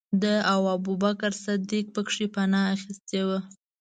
ده او ابوبکر صدیق پکې پنا اخستې وه.